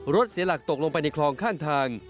เสียหลักตกลงไปในคลองข้างทาง